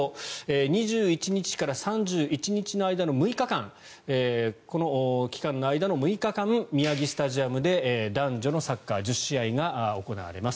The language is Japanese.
２１日から３１日の間の６日間この期間の間の６日間宮城スタジアムで男女のサッカー１０試合が行われます。